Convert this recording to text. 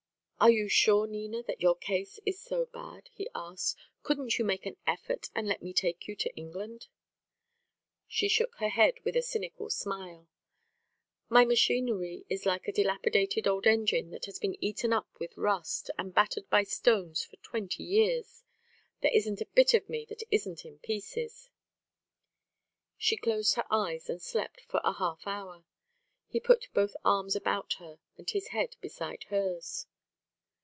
"Are you sure, Nina, that your case is so bad?" he asked. "Couldn't you make an effort, and let me take you to England?" She shook her head with a cynical smile. "My machinery is like a dilapidated old engine that has been eaten up with rust, and battered by stones for twenty years. There isn't a bit of me that isn't in pieces." She closed her eyes, and slept for a half hour. He put both arms about her and his head beside hers.